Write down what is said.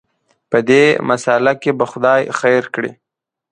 په دې مساله کې به خدای خیر کړي.